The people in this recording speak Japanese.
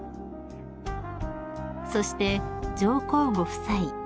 ［そして上皇ご夫妻］